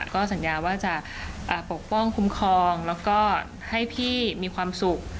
ก็สัญญาว่าจะปกป้องคุ้มครองแล้วก็ให้พี่มีความสุข